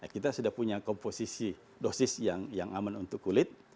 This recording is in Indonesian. kita sudah punya komposisi dosis yang aman untuk kulit